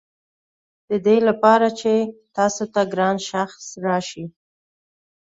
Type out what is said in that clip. ددې لپاره چې تاسو ته ګران شخص راشي.